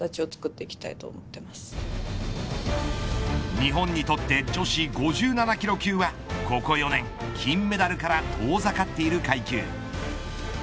日本にとって女子５７キロ級はここ４年、金メダルから遠ざかっている階級。